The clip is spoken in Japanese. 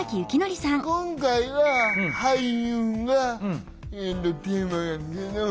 今回は俳優がテーマやけど。